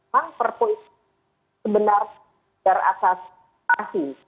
bang perpu itu sebenarnya berasasi